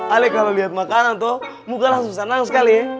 ali kalau lihat makanan tuh muka langsung senang sekali